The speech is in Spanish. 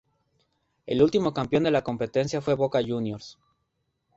El último campeón de la competencia fue Boca Juniors.